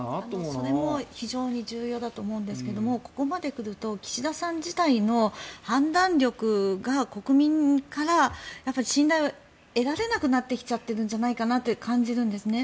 それも非常に重要だと思うんですがここまで来ると岸田さんの判断力が国民から信頼を得られなくなってきちゃってるんじゃないかなと感じるんですね。